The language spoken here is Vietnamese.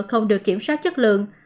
không được kiểm soát chất lượng